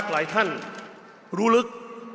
หลายท่านรู้ลึก